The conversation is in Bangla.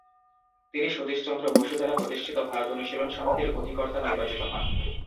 তিনি সতীশচন্দ্র বসু দ্বারা প্রতিষ্ঠিত ভারত অনুশীলন সমিতির অধিকর্তা নির্বাচিত হন।